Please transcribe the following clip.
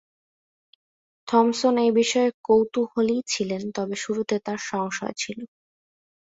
Thomson এই বিষয়ে কৌতূহলী ছিলেন তবে শুরুতে তাঁর সংশয় ছিল।